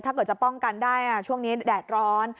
ถ้าเกิดจะป้องกันได้ช่วงนี้แดดร้อน